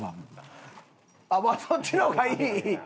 そっちの方がいいいい！